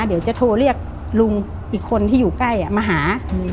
เดี๋ยวจะโทรเรียกลุงอีกคนที่อยู่ใกล้มาหา